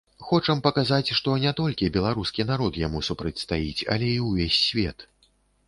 Хочам паказаць, што не толькі беларускі народ яму супрацьстаіць, але і ўвесь свет.